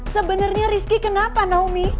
sebenernya rizky kenapa naomi